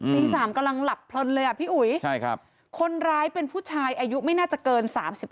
ตี๓กำลังหลับเพลินเลยอ่ะพี่อุ๋ยคนร้ายเป็นผู้ชายอายุไม่น่าจะเกิน๓๕